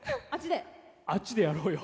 あっちでやろうよ。